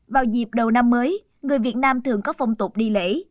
vào dịp đầu năm mới người việt nam thường có phong tục đi lễ